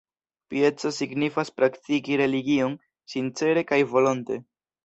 Pieco signifas praktiki religion sincere kaj volonte.